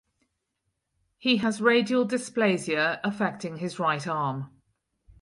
He has radial dysplasia affecting his right arm.